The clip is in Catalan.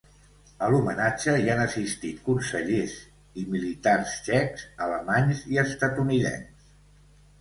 A l’homenatge hi han assistit consellers i militars txecs, alemanys i estatunidencs.